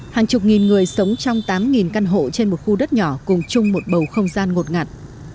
hàng chục nghìn người sống trong tám căn hộ trên một khu đất nhỏ cùng chung một bầu không gian ngột ngạt